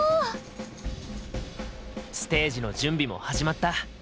ステージの準備も始まった。